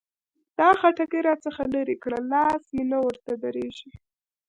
دا خټکي را څخه لري کړه؛ لاس مې نه ورته درېږي.